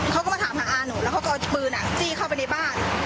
ก็เลยบอกว่านี่บอกมีอะไรค่อยคุย